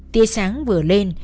tia sáng vừa lên